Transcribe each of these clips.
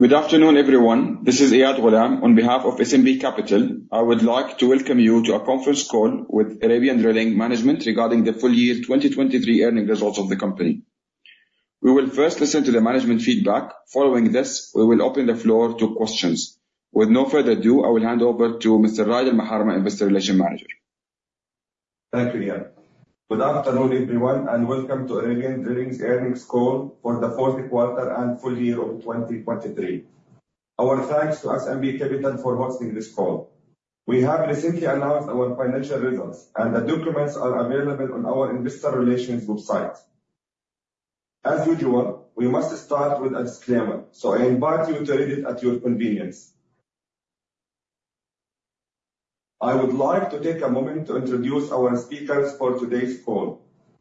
Good afternoon, everyone. This is Eyad Ghulam on behalf of SNB Capital. I would like to welcome you to a conference call with Arabian Drilling management regarding the full year 2023 earnings results of the company. We will first listen to the management feedback. Following this, we will open the floor to questions. With no further ado, I will hand over to Mr. Raed Al-Marhoon, Investor Relations Manager. Thank you, Eyad. Good afternoon, everyone, and welcome to Arabian Drilling's earnings call for the fourth quarter and full year of 2023. Our thanks to SNB Capital for hosting this call. We have recently announced our financial results, and the documents are available on our Investor Relations website. As usual, we must start with a disclaimer, so I invite you to read it at your convenience. I would like to take a moment to introduce our speakers for today's call.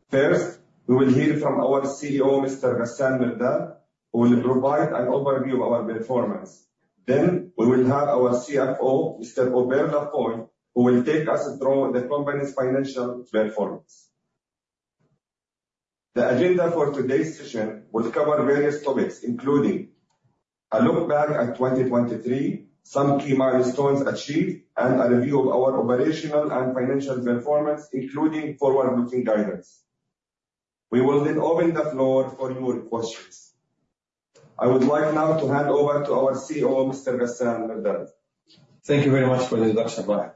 First, we will hear from our CEO, Mr. Ghassan Mirdad, who will provide an overview of our performance. Then we will have our CFO, Mr. Hubert Lafeuille, who will take us through the company's financial performance. The agenda for today's session will cover various topics, including a look back at 2023, some key milestones achieved, and a review of our operational and financial performance, including forward-looking guidance. We will then open the floor for your questions. I would like now to hand over to our CEO, Mr. Ghassan Mirdad. Thank you very much for the introduction, Eyad.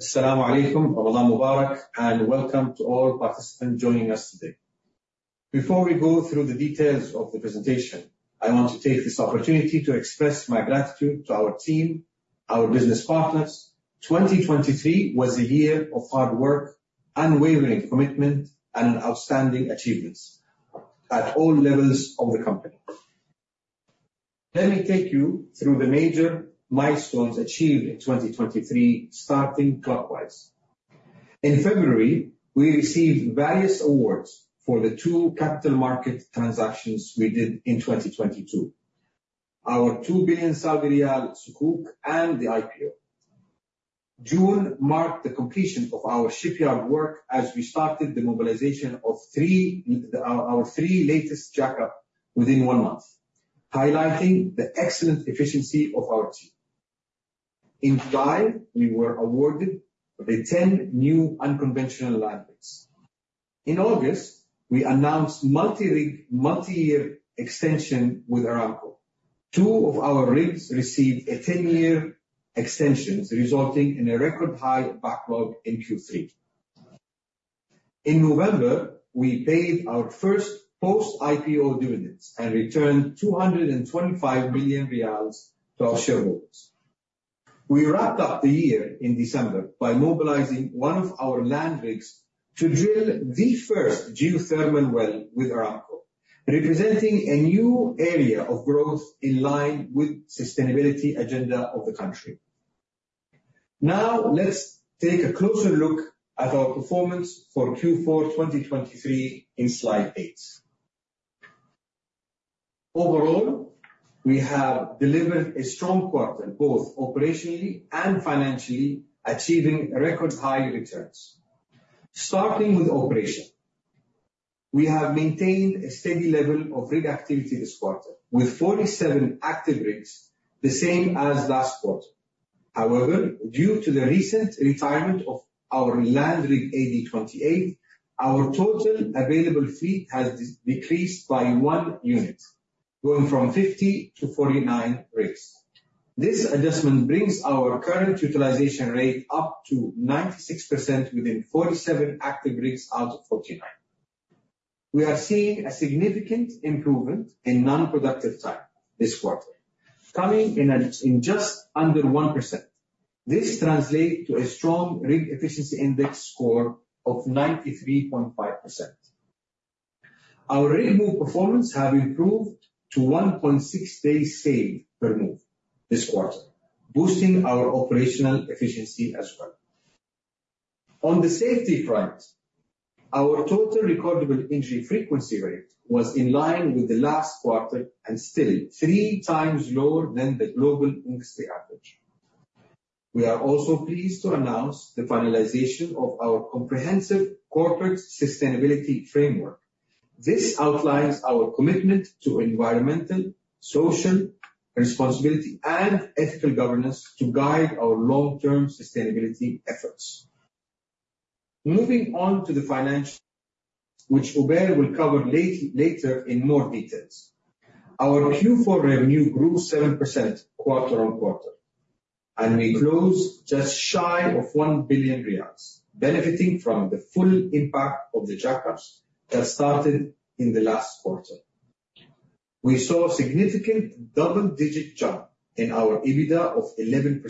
Assalamu alaikum, Ramadan Mubarak, and welcome to all participants joining us today. Before we go through the details of the presentation, I want to take this opportunity to express my gratitude to our team, our business partners. 2023 was a year of hard work, unwavering commitment, and outstanding achievements at all levels of the company. Let me take you through the major milestones achieved in 2023, starting clockwise. In February, we received various awards for the two capital market transactions we did in 2022: our 2 billion Sukuk and the IPO. June marked the completion of our shipyard work as we started the mobilization of our three latest jackups within one month, highlighting the excellent efficiency of our team. In July, we were awarded the 10 new unconventional land rigs. In August, we announced multi-rig, multi-year extension with Aramco. Two of our rigs received a 10-year extension, resulting in a record high backlog in Q3. In November, we paid our first post-IPO dividends and returned 225 million riyals to our shareholders. We wrapped up the year in December by mobilizing one of our land rigs to drill the first geothermal well with Aramco, representing a new area of growth in line with the sustainability agenda of the country. Now let's take a closer look at our performance for Q4 2023 in slide 8. Overall, we have delivered a strong quarter, both operationally and financially, achieving record high returns. Starting with operations, we have maintained a steady level of rig activity this quarter, with 47 active rigs, the same as last quarter. However, due to the recent retirement of our land rig AD28, our total available fleet has decreased by one unit, going from 50 to 49 rigs. This adjustment brings our current utilization rate up to 96% within 47 active rigs out of 49. We are seeing a significant improvement in non-productive time this quarter, coming in just under 1%. This translates to a strong rig efficiency index score of 93.5%. Our rig move performance has improved to 1.6 days saved per move this quarter, boosting our operational efficiency as well. On the safety front, our total recordable injury frequency rate was in line with the last quarter and still three times lower than the global industry average. We are also pleased to announce the finalization of our comprehensive corporate sustainability framework. This outlines our commitment to environmental, social, responsibility, and ethical governance to guide our long-term sustainability efforts. Moving on to the financials, which Hubert will cover later in more details. Our Q4 revenue grew 7% quarter on quarter, and we closed just shy of 1 billion riyals, benefiting from the full impact of the jackups that started in the last quarter. We saw a significant double-digit jump in our EBITDA of 11%.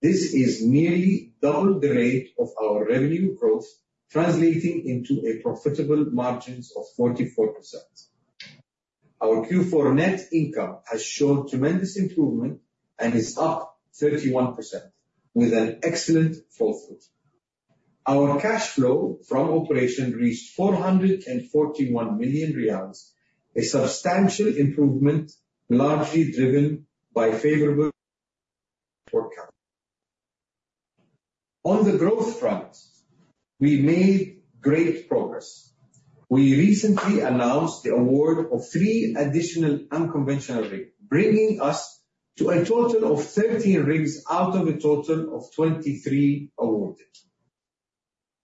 This is nearly double the rate of our revenue growth, translating into a profitable margin of 44%. Our Q4 net income has shown tremendous improvement and is up 31%, with an excellent fall through. Our cash flow from operation reached 441 million riyals, a substantial improvement largely driven by favorable forecasts. On the growth front, we made great progress. We recently announced the award of three additional unconventional rigs, bringing us to a total of 13 rigs out of a total of 23 awarded.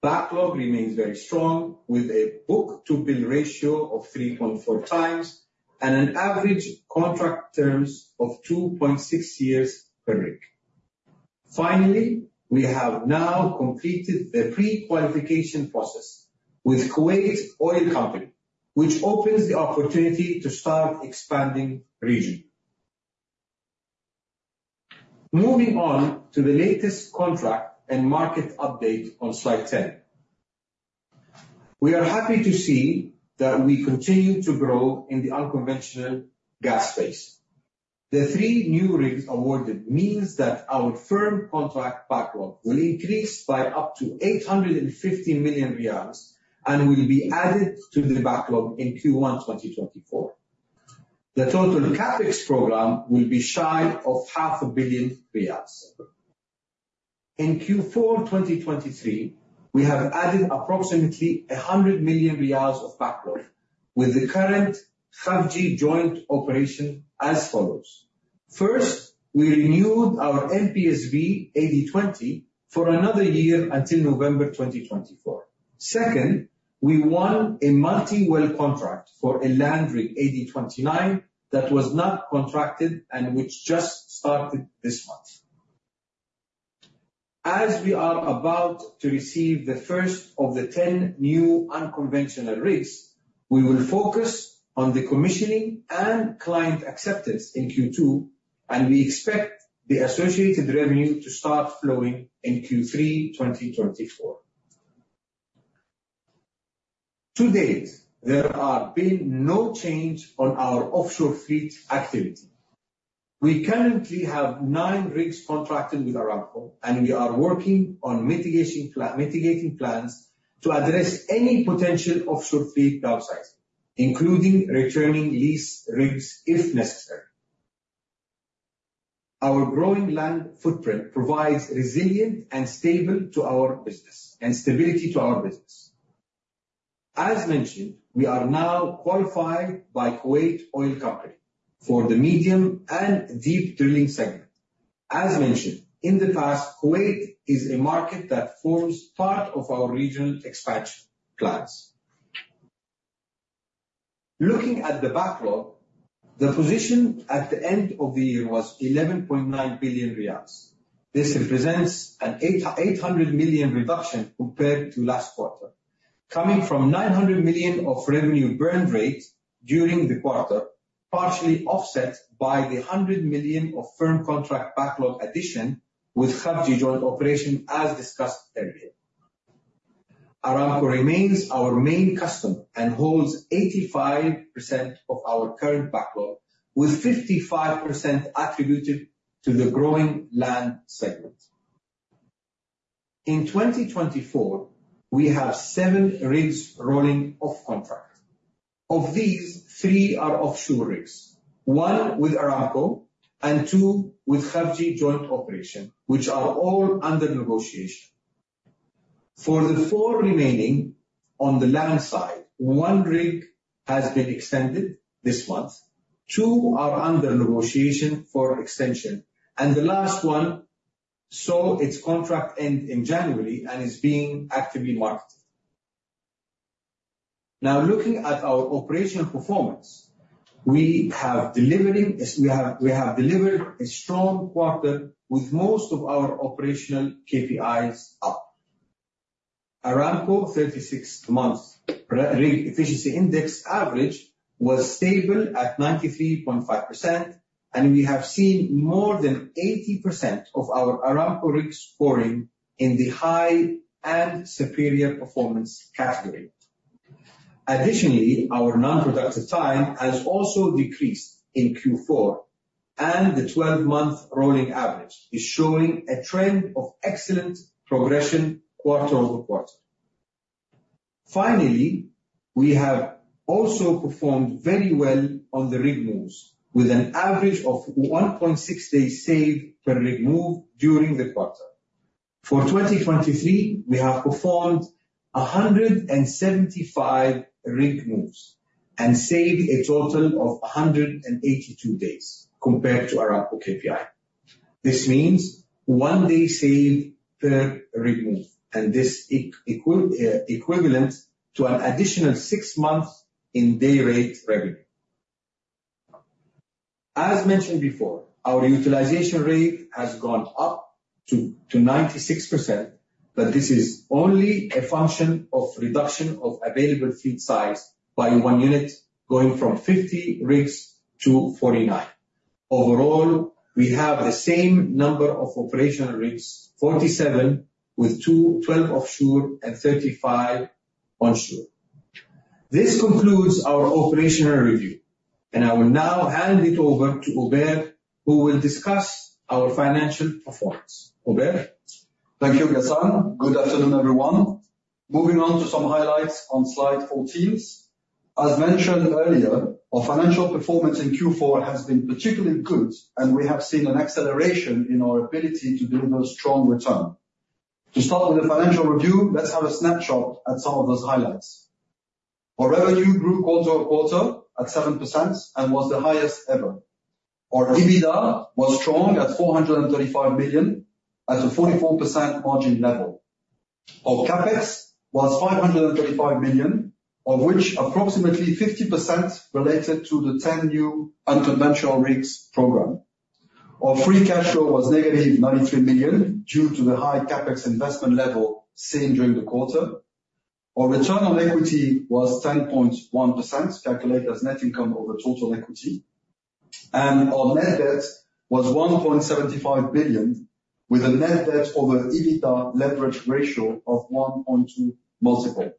Backlog remains very strong, with a book-to-bill ratio of 3.4 x and an average contract term of 2.6 years per rig. Finally, we have now completed the pre-qualification process with Kuwait Oil Company, which opens the opportunity to start expanding regionally. Moving on to the latest contract and market update on slide 10. We are happy to see that we continue to grow in the unconventional gas space. The three new rigs awarded mean that our firm contract backlog will increase by up to 850 million riyals and will be added to the backlog in Q1 2024. The total CapEx program will be shy of 500 million riyals. In Q4 2023, we have added approximately 100 million riyals of backlog, with the current Khafji Joint Operations as follows. First, we renewed our MPSV AD20 for another year until November 2024. Second, we won a multi-well contract for a land rig AD29 that was not contracted and which just started this month. As we are about to receive the first of the 10 new unconventional rigs, we will focus on the commissioning and client acceptance in Q2, and we expect the associated revenue to start flowing in Q3 2024. To date, there have been no changes on our offshore fleet activity. We currently have 9 rigs contracted with Aramco, and we are working on mitigating plans to address any potential offshore fleet downsizing, including returning leased rigs if necessary. Our growing land footprint provides resilient and stable stability to our business. As mentioned, we are now qualified by Kuwait Oil Company for the medium and deep drilling segment. As mentioned, in the past, Kuwait is a market that forms part of our regional expansion plans. Looking at the backlog, the position at the end of the year was 11.9 billion riyals. This represents an 800 million reduction compared to last quarter, coming from 900 million of revenue burn rate during the quarter, partially offset by the 100 million of firm contract backlog addition with Khafji Joint Operations, as discussed earlier. Aramco remains our main customer and holds 85% of our current backlog, with 55% attributed to the growing land segment. In 2024, we have seven rigs rolling off contract. Of these, three are offshore rigs: one with Aramco and two with Khafji Joint Operations, which are all under negotiation. For the four remaining on the land side, one rig has been extended this month. Two are under negotiation for extension, and the last one saw its contract end in January and is being actively marketed. Now, looking at our operational performance, we have delivered a strong quarter with most of our operational KPIs up. Aramco's 36-month rig efficiency index average was stable at 93.5%, and we have seen more than 80% of our Aramco rigs scoring in the high and superior performance category. Additionally, our non-productive time has also decreased in Q4, and the 12-month rolling average is showing a trend of excellent progression quarter-over-quarter. Finally, we have also performed very well on the rig moves, with an average of 1.6 days saved per rig move during the quarter. For 2023, we have performed 175 rig moves and saved a total of 182 days compared to Aramco KPI. This means one day saved per rig move, and this is equivalent to an additional six months in day-rate revenue. As mentioned before, our utilization rate has gone up to 96%, but this is only a function of reduction of available fleet size by one unit, going from 50 rigs to 49. Overall, we have the same number of operational rigs: 47 with 12 offshore and 35 onshore. This concludes our operational review, and I will now hand it over to Hubert, who will discuss our financial performance. Hubert? Thank you, Ghassan. Good afternoon, everyone. Moving on to some highlights on slide 14. As mentioned earlier, our financial performance in Q4 has been particularly good, and we have seen an acceleration in our ability to deliver a strong return. To start with the financial review, let's have a snapshot at some of those highlights. Our revenue grew quarter-over-quarter at 7% and was the highest ever. Our EBITDA was strong at 435 million at a 44% margin level. Our CapEx was 535 million, of which approximately 50% related to the 10 new unconventional rigs program. Our free cash flow was -93 million due to the high CapEx investment level seen during the quarter. Our return on equity was 10.1%, calculated as net income over total equity. Our net debt was 1.75 billion, with a net debt over EBITDA leverage ratio of 1.2x.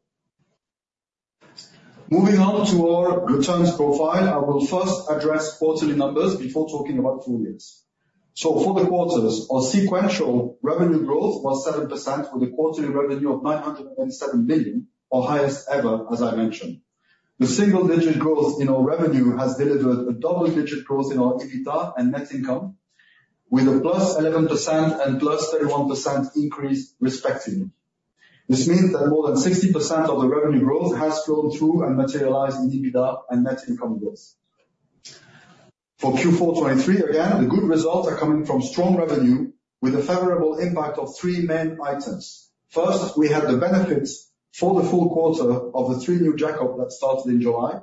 Moving on to our returns profile, I will first address quarterly numbers before talking about full years. So for the quarters, our sequential revenue growth was 7%, with a quarterly revenue of 927 million, our highest ever, as I mentioned. The single-digit growth in our revenue has delivered a double-digit growth in our EBITDA and net income, with a +11% and +31% increase, respectively. This means that more than 60% of the revenue growth has flown through and materialized in EBITDA and net income growth. For Q4 2023, again, the good results are coming from strong revenue, with a favorable impact of three main items. First, we had the benefits for the full quarter of the three new jackups that started in July.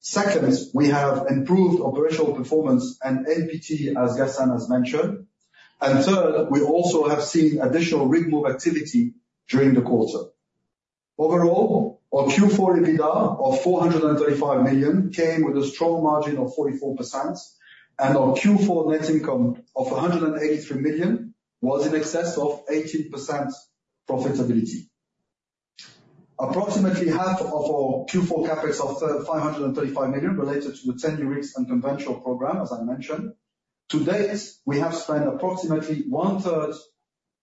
Second, we have improved operational performance and NPT, as Ghassan has mentioned. And third, we also have seen additional rig move activity during the quarter. Overall, our Q4 EBITDA of 435 million came with a strong margin of 44%, and our Q4 net income of 183 million was in excess of 18% profitability. Approximately half of our Q4 CAPEX of 535 million related to the 10 new rigs unconventional program, as I mentioned. To date, we have spent approximately one-third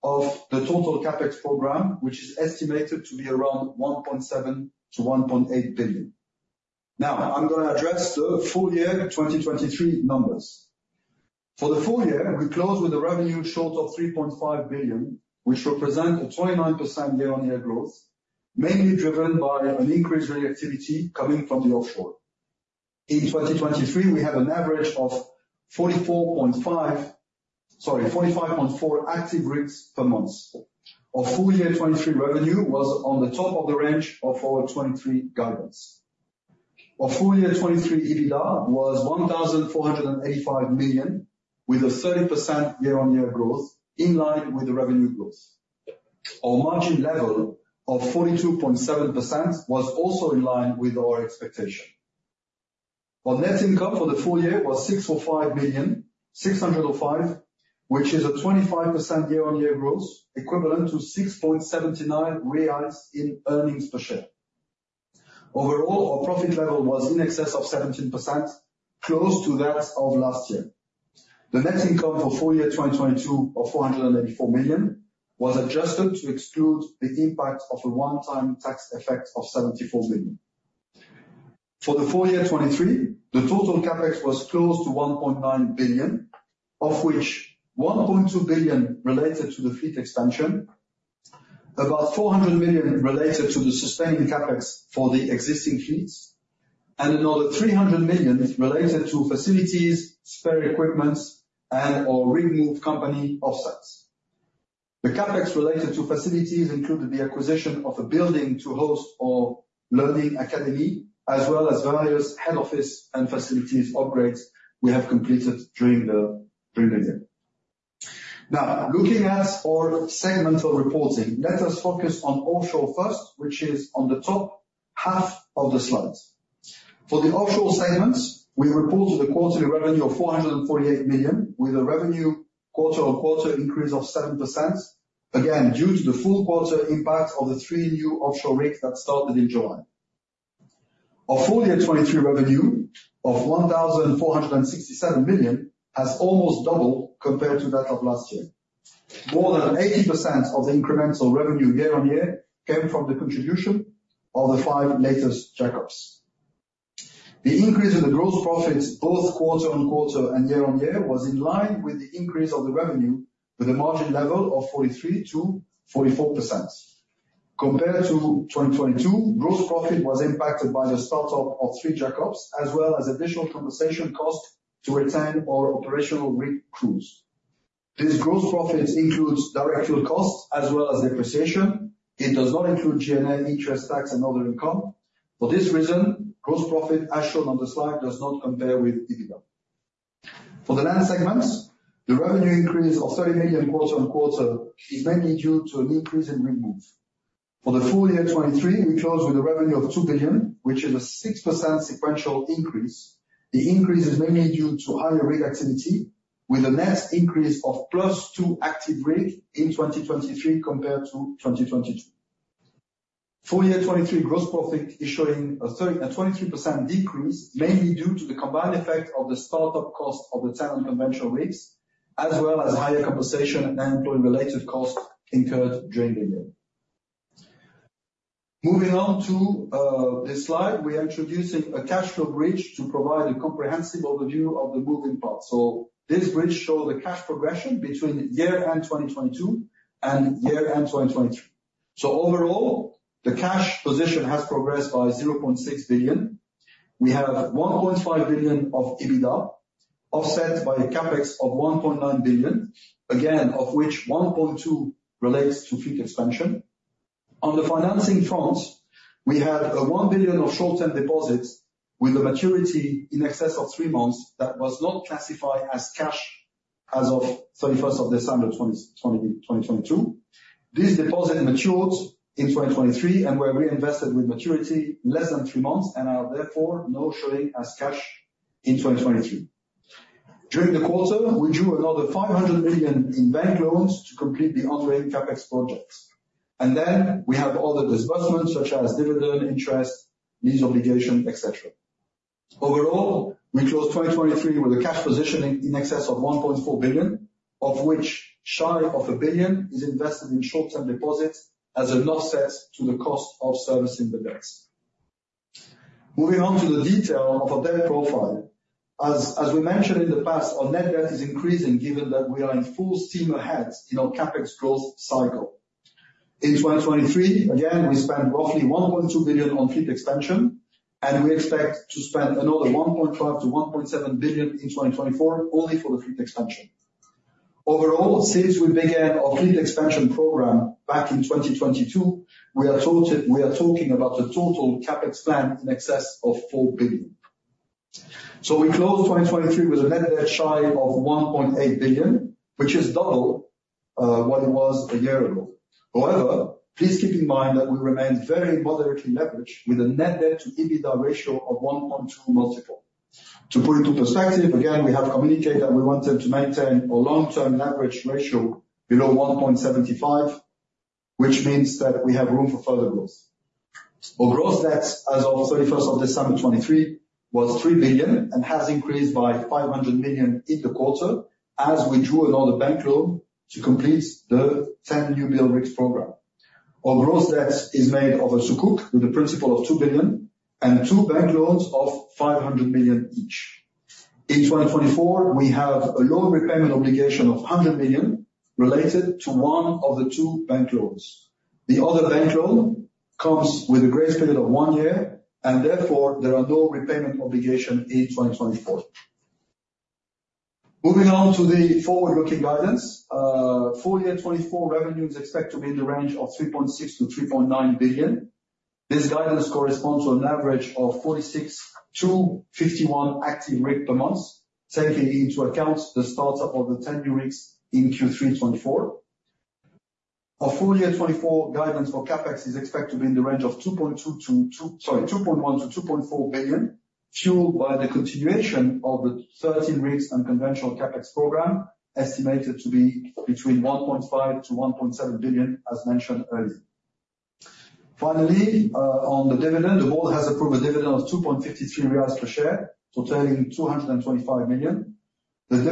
of the total CAPEX program, which is estimated to be around 1.7 billion-1.8 billion. Now, I'm going to address the full year 2023 numbers. For the full year, we closed with a revenue of 3.5 billion, which represents a 29% year-on-year growth, mainly driven by an increase in activity coming from the offshore. In 2023, we had an average of 44.5 sorry, 45.4 active rigs per month. Our full year 2023 revenue was on the top of the range of our 2023 guidance. Our full year 2023 EBITDA was 1,485 million, with a 30% year-on-year growth in line with the revenue growth. Our margin level of 42.7% was also in line with our expectation. Our net income for the full year was 605 million, which is a 25% year-on-year growth, equivalent to SAR 6.79 in earnings per share. Overall, our profit level was in excess of 17%, close to that of last year. The net income for full year 2022 of 484 million was adjusted to exclude the impact of a one-time tax effect of 74 million. For the full year 2023, the total CAPEX was close to 1.9 billion, of which 1.2 billion related to the fleet expansion, about 400 million related to the sustaining CAPEX for the existing fleets, and another 300 million related to facilities, spare equipment, and/or rig move company offsets. The CapEx related to facilities included the acquisition of a building to host our learning academy, as well as various head office and facilities upgrades we have completed during the year. Now, looking at our segmental reporting, let us focus on offshore first, which is on the top half of the slides. For the offshore segments, we reported a quarterly revenue of 448 million, with a revenue quarter-over-quarter increase of 7%, again, due to the full quarter impact of the three new offshore rigs that started in July. Our full year 2023 revenue of 1,467 million has almost doubled compared to that of last year. More than 80% of the incremental revenue year-on-year came from the contribution of the five latest jackups. The increase in the gross profits, both quarter-on-quarter and year-on-year, was in line with the increase of the revenue, with a margin level of 43%-44%. Compared to 2022, gross profit was impacted by the startup of three jackups, as well as additional compensation costs to retain our operational rig crews. These gross profits include direct fuel costs, as well as depreciation. It does not include G&A interest, tax, and other income. For this reason, gross profit, as shown on the slide, does not compare with EBITDA. For the land segments, the revenue increase of 30 million quarter-on-quarter is mainly due to an increase in rig moves. For the full year 2023, we closed with a revenue of 2 billion, which is a 6% sequential increase. The increase is mainly due to higher rig activity, with a net increase of +2 active rigs in 2023 compared to 2022. Full year 2023 gross profit is showing a 23% decrease, mainly due to the combined effect of the startup costs of the 10 unconventional rigs, as well as higher compensation and employee-related costs incurred during the year. Moving on to this slide, we are introducing a cash flow bridge to provide a comprehensive overview of the moving parts. So this bridge shows the cash progression between year-end 2022 and year-end 2023. So overall, the cash position has progressed by 0.6 billion. We have 1.5 billion of EBITDA, offset by a CapEx of 1.9 billion, again, of which 1.2 billion relates to fleet expansion. On the financing front, we had 1 billion of short-term deposits, with a maturity in excess of three months that was not classified as cash as of 31st of December 2022. This deposit matured in 2023 and were reinvested with maturity less than three months and are, therefore, now showing as cash in 2023. During the quarter, we drew another 500 million in bank loans to complete the ongoing CapEx project. And then we have other disbursements, such as dividend, interest, lease obligation, etc. Overall, we closed 2023 with a cash position in excess of 1.4 billion, of which shy of 1 billion is invested in short-term deposits as an offset to the cost of servicing the debts. Moving on to the detail of our debt profile. As we mentioned in the past, our net debt is increasing, given that we are in full steam ahead in our CapEx growth cycle. In 2023, again, we spent roughly 1.2 billion on fleet expansion, and we expect to spend another 1.5 billion-1.7 billion in 2024 only for the fleet expansion. Overall, since we began our fleet expansion program back in 2022, we are talking about a total CapEx plan in excess of 4 billion. So we closed 2023 with a net debt shy of 1.8 billion, which is double what it was a year ago. However, please keep in mind that we remain very moderately leveraged, with a net debt to EBITDA ratio of 1.2 multiple. To put it into perspective, again, we have communicated that we wanted to maintain a long-term leverage ratio below 1.75, which means that we have room for further growth. Our gross debt, as of 31st of December 2023, was 3 billion and has increased by 500 million in the quarter as we drew another bank loan to complete the 10 new build rigs program. Our gross debt is made of a Sukuk with a principal of 2 billion and two bank loans of 500 million each. In 2024, we have a loan repayment obligation of 100 million related to one of the two bank loans. The other bank loan comes with a grace period of one year, and therefore, there are no repayment obligations in 2024. Moving on to the forward-looking guidance. Full year 2024 revenues expect to be in the range of 3.6 billion-3.9 billion. This guidance corresponds to an average of 46-51 active rigs per month, taking into account the startup of the 10 new rigs in Q3 2024. Our full year 2024 guidance for CapEx is expected to be in the range of 2.2 billion to 2 sorry, 2.1 billion-2.4 billion, fueled by the continuation of the 13 rigs unconventional CapEx program, estimated to be between 1.5 billion-1.7 billion, as mentioned earlier. Finally, on the dividend, the board has approved a dividend of 2.53 riyals per share, totaling 225 million. This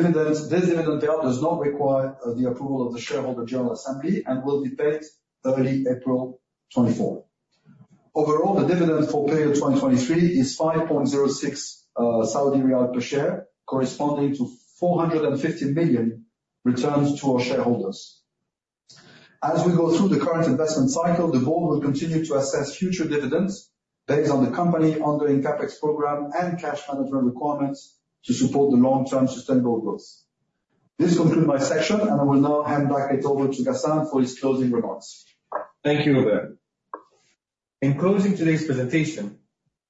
dividend payout does not require the approval of the shareholder general assembly and will be paid early April 2024. Overall, the dividend for period 2023 is 5.06 Saudi riyal per share, corresponding to 450 million returns to our shareholders. As we go through the current investment cycle, the board will continue to assess future dividends based on the company's ongoing CapEx program and cash management requirements to support the long-term sustainable growth. This concludes my section, and I will now hand back it over to Ghassan for his closing remarks. Thank you, Hubert. In closing today's presentation,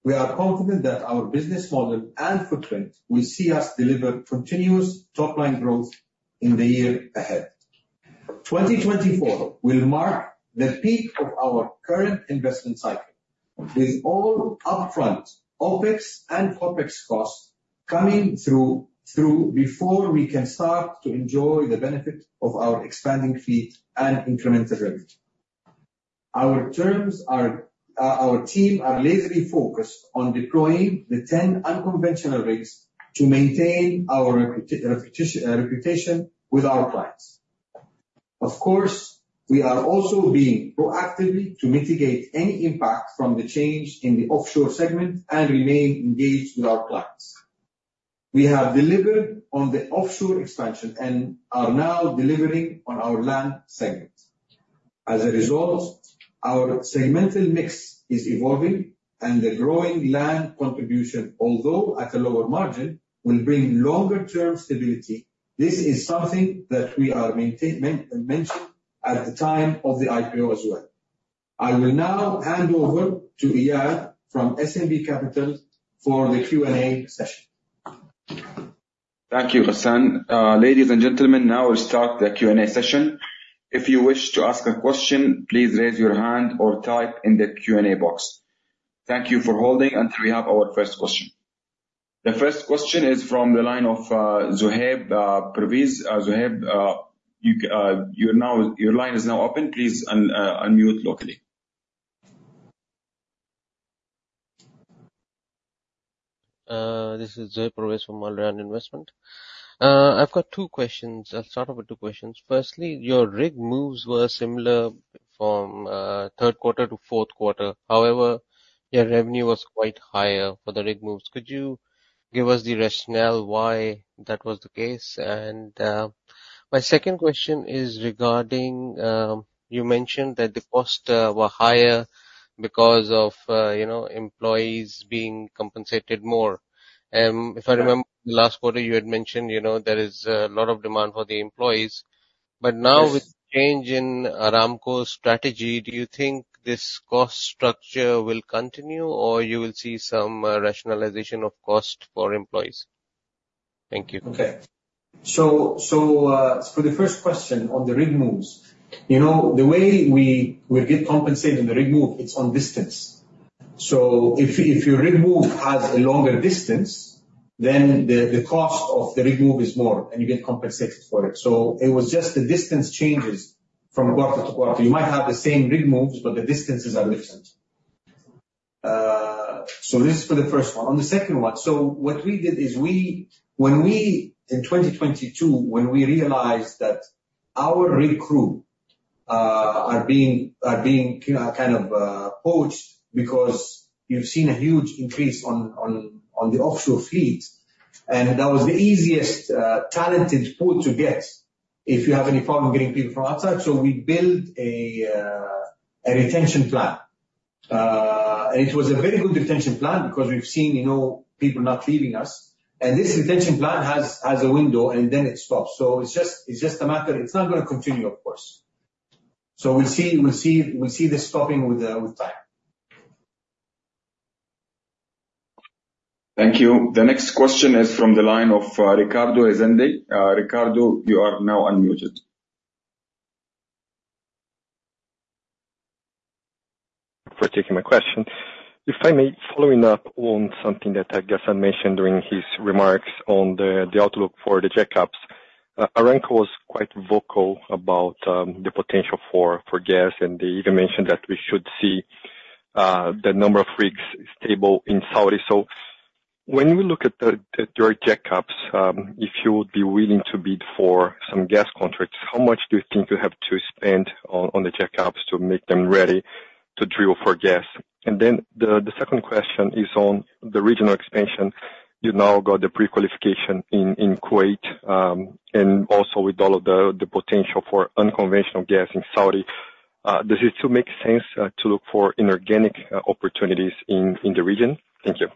we are confident that our business model and footprint will see us deliver continuous top-line growth in the year ahead. 2024 will mark the peak of our current investment cycle, with all upfront OpEx and CapEx costs coming through before we can start to enjoy the benefit of our expanding fleet and incremental revenue. Our team are laser-focused on deploying the 10 unconventional rigs to maintain our reputation with our clients. Of course, we are also being proactive to mitigate any impact from the change in the offshore segment and remain engaged with our clients. We have delivered on the offshore expansion and are now delivering on our land segment. As a result, our segmental mix is evolving, and the growing land contribution, although at a lower margin, will bring longer-term stability. This is something that we are mentioning at the time of the IPO as well. I will now hand over to Eyad from SNB Capital for the Q&A session. Thank you, Ghassan. Ladies and gentlemen, now we'll start the Q&A session. If you wish to ask a question, please raise your hand or type in the Q&A box. Thank you for holding until we have our first question. The first question is from the line of Zohaib Perwaiz. Zohaib, your line is now open. Please unmute locally. This is Zohaib Perwaiz from Al Rayan Investment. I've got two questions. I'll start off with two questions. Firstly, your rig moves were similar from third quarter to fourth quarter. However, your revenue was quite higher for the rig moves. Could you give us the rationale why that was the case? My second question is regarding, you mentioned that the costs were higher because of employees being compensated more. If I remember, the last quarter, you had mentioned there is a lot of demand for the employees. But now, with the change in Aramco's strategy, do you think this cost structure will continue, or you will see some rationalization of cost for employees? Thank you. Okay. So for the first question on the rig moves, the way we get compensated in the rig move, it's on distance. So if your rig move has a longer distance, then the cost of the rig move is more, and you get compensated for it. So it was just the distance changes from quarter to quarter. You might have the same rig moves, but the distances are different. So this is for the first one. On the second one, so what we did is when we, in 2022, realized that our rig crew are being kind of poached because you've seen a huge increase on the offshore fleet, and that was the easiest talent pool to get if you have any problem getting people from outside. So we built a retention plan. And it was a very good retention plan because we've seen people not leaving us. And this retention plan has a window, and then it stops. So it's just a matter. It's not going to continue, of course. So we'll see this stopping with time. Thank you. The next question is from the line of Ricardo Rezende. Ricardo, you are now unmuted. For taking my question. If I may, following up on something that Ghassan mentioned during his remarks on the outlook for the jackups, Aramco was quite vocal about the potential for gas, and they even mentioned that we should see the number of rigs stable in Saudi. So when we look at your jackups, if you would be willing to bid for some gas contracts, how much do you think you have to spend on the jackups to make them ready to drill for gas? And then the second question is on the regional expansion. You now got the pre-qualification in Kuwait and also with all of the potential for unconventional gas in Saudi. Does it still make sense to look for inorganic opportunities in the region? Thank you.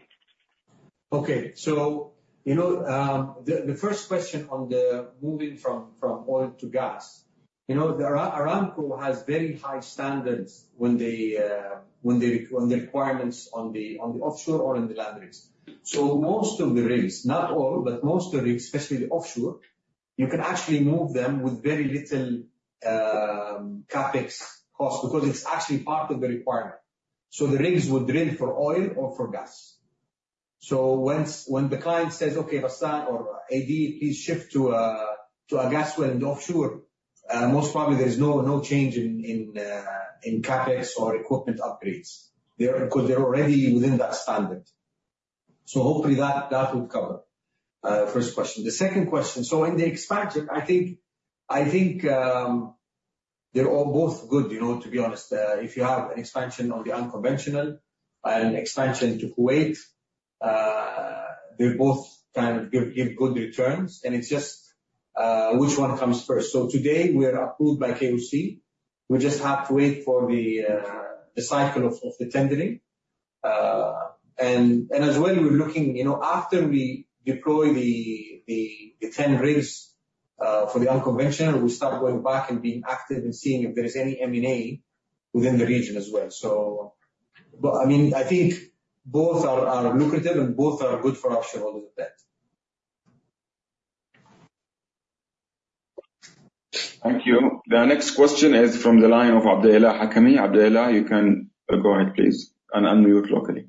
Okay. So the first question on the moving from oil to gas, Aramco has very high standards when the requirements on the offshore or on the land rigs. So most of the rigs, not all, but most of the rigs, especially the offshore, you can actually move them with very little CapEx cost because it's actually part of the requirement. So the rigs would drill for oil or for gas. So when the client says, "Okay, Ghassan or AD, please shift to a gas well in the offshore," most probably there is no change in CapEx or equipment upgrades because they're already within that standard. So hopefully, that would cover the first question. The second question, so in the expansion, I think they're both good, to be honest. If you have an expansion on the unconventional and expansion to Kuwait, they both kind of give good returns. It's just which one comes first. So today, we're approved by KOC. We just have to wait for the cycle of the tendering. And as well, we're looking after we deploy the 10 rigs for the unconventional, we start going back and being active and seeing if there is any M&A within the region as well. But I mean, I think both are lucrative and both are good for our shareholders of debt. Thank you. The next question is from the line of Abdullah Al-Hakami. Abdullah, you can go ahead, please, and unmute locally.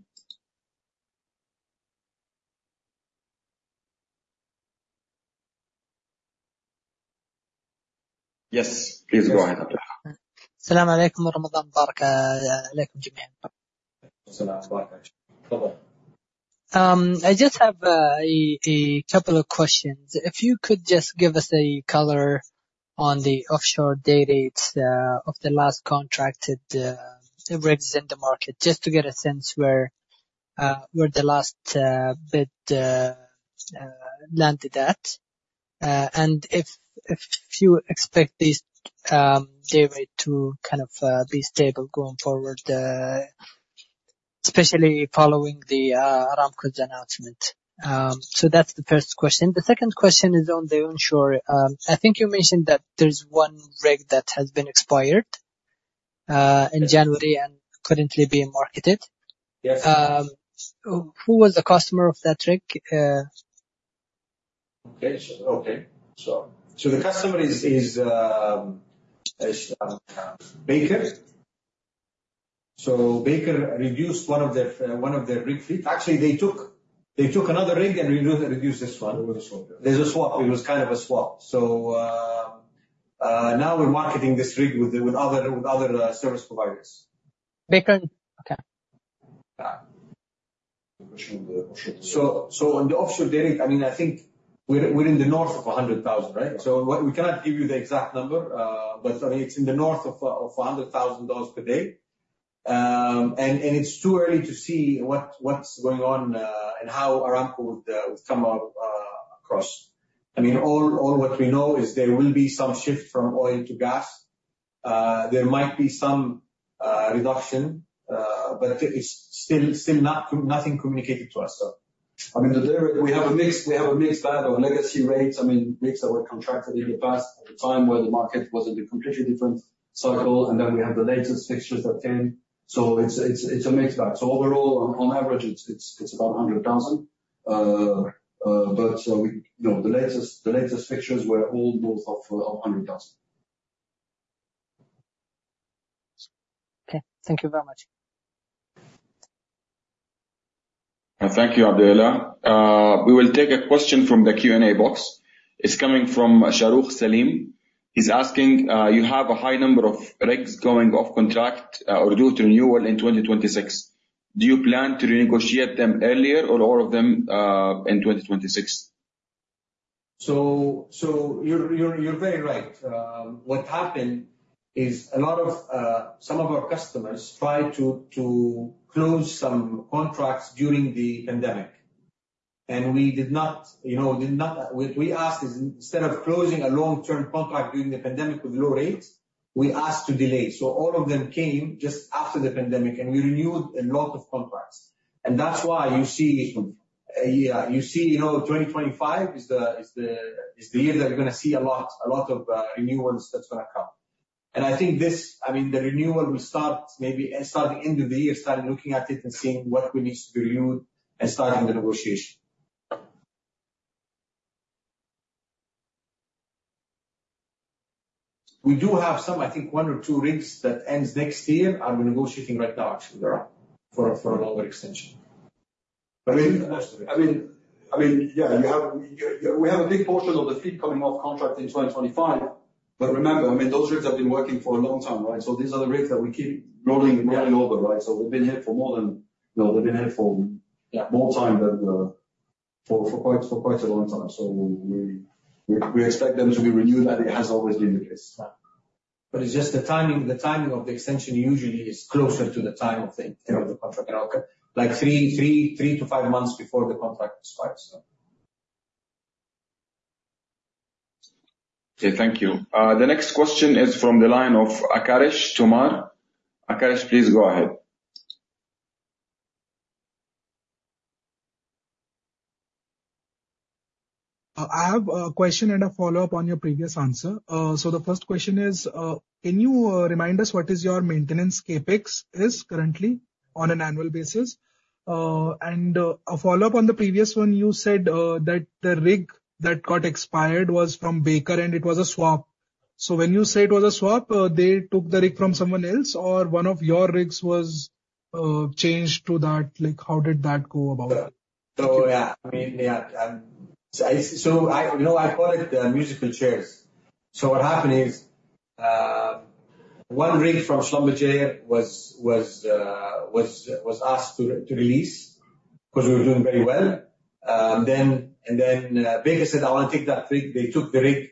Yes. Please go ahead, Abdullah. السلام عليكم ورمضان مبارك عليكم جميعا. السلام عليكم ورحمة الله وبركاته. تفضل. I just have a couple of questions. If you could just give us a color on the offshore day rates of the last contracted rigs in the market, just to get a sense where the last bid landed at and if you expect these day rates to kind of be stable going forward, especially following Aramco's announcement. So that's the first question. The second question is on the onshore. I think you mentioned that there's one rig that has been expired in January and couldn't be marketed. Who was the customer of that rig? Okay. So the customer is Baker. So Baker reduced one of their rig fleet. Actually, they took another rig and reduced this one. There was a swap. There's a swap. It was kind of a swap. So now we're marketing this rig with other service providers. Okay. So on the offshore day rate, I mean, I think we're in the north of $100,000, right? So we cannot give you the exact number, but I mean, it's in the north of $100,000 per day. And it's too early to see what's going on and how Aramco would come across. I mean, all what we know is there will be some shift from oil to gas. There might be some reduction, but it's still nothing communicated to us, so. I mean, the day rate, we have a mixed bag of legacy rates, I mean, rigs that were contracted in the past at a time where the market was in a completely different cycle, and then we have the latest fixtures that came. So it's a mixed bag. So overall, on average, it's about $100,000. But the latest fixtures were all north of $100,000. Okay. Thank you very much. Thank you, Abdullah. We will take a question from the Q&A box. It's coming from Shorouq Salim. He's asking, "You have a high number of rigs going off contract or due to renewal in 2026. Do you plan to renegotiate them earlier or all of them in 2026?" So you're very right. What happened is some of our customers tried to close some contracts during the pandemic, and we did not. We asked instead of closing a long-term contract during the pandemic with low rates, we asked to delay. So all of them came just after the pandemic, and we renewed a lot of contracts. And that's why you see yeah, you see 2025 is the year that you're going to see a lot of renewals that's going to come. I think this I mean, the renewal will start maybe starting end of the year, starting looking at it and seeing what we need to renew and starting the negotiation. We do have some, I think, one or two rigs that ends next year are we negotiating right now, actually, for a longer extension. But I mean. I mean, yeah, we have a big portion of the fleet coming off contract in 2025. But remember, I mean, those rigs have been working for a long time, right? So these are the rigs that we keep rolling and rolling over, right? So they've been here for more than they've been here for more time than for quite a long time. So we expect them to be renewed, and it has always been the case. But it's just the timing of the extension usually is closer to the time of the end of the contract, like 3-5 months before the contract expires, so. Okay. Thank you. The next question is from the line of Aakarsh Tomar. Aakarsh, please go ahead. I have a question and a follow-up on your previous answer. So the first question is, "Can you remind us what is your maintenance CapEx currently on an annual basis?" And a follow-up on the previous one, you said that the rig that got expired was from Baker, and it was a swap. So when you say it was a swap, they took the rig from someone else, or one of your rigs was changed to that? How did that go about? So yeah. I mean, yeah. So I call it musical chairs. So what happened is one rig from Schlumberger was asked to release because we were doing very well. And then Baker said, "I want to take that rig." They took the rig,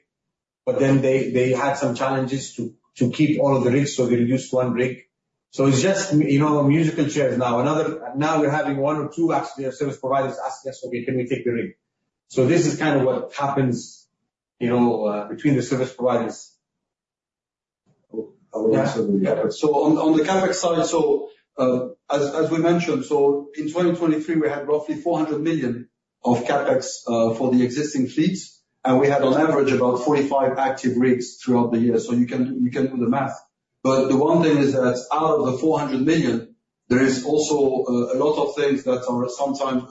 but then they had some challenges to keep all of the rigs, so they reduced one rig. So it's just musical chairs now. Now we're having one or two, actually, our service providers ask us, "Okay, can we take the rig?" So this is kind of what happens between the service providers. So on the CapEx side, so as we mentioned, so in 2023, we had roughly 400 million of CapEx for the existing fleets, and we had, on average, about 45 active rigs throughout the year. So you can do the math. But the one thing is that out of the 400 million, there is also a lot of things that are sometimes